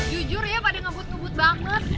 jujur ya pada ngebut ngebut banget